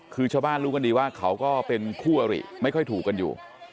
คือชาวบ้านรู้กันดีว่าเขาก็เป็นคู่อริไม่ค่อยถูกกันอยู่